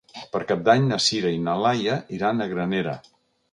Per Cap d'Any na Sira i na Laia iran a Granera.